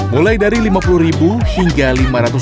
mulai dari rp lima puluh hingga rp lima ratus